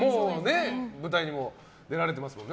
舞台にも出られてますもんね